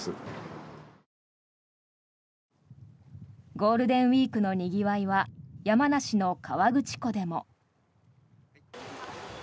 ゴールデンウィークのにぎわいは山梨の河口湖でも。